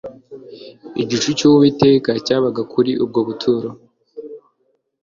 igicu cy'uwiteka cyabaga kuri ubwo buturo